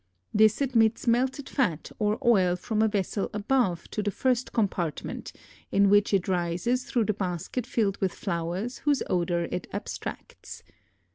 This admits melted fat or oil from a vessel above to the first compartment in which it rises through the basket filled with flowers whose odor it abstracts.